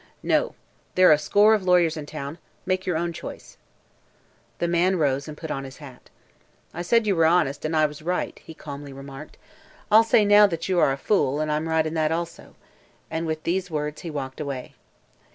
"No. There are a score of lawyers in town. Make your own choice." The man rose and put on his hat. "I said you were honest, and I was right," he calmly remarked. "I'll say now that you are a fool, and I'm right in that, also," and with these words he walked away.